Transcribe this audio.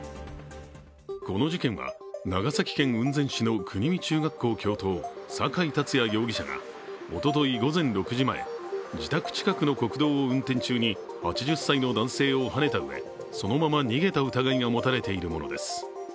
この事件は長崎県雲仙市の国見中学校教頭、酒井竜也容疑者がおととい午前６時前自宅近くの国道を運転中に８０歳の男性をはねた上そのまま逃げた疑いが持たれているものです。